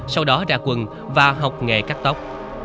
sau đó ra quân và học nghề cắt tóc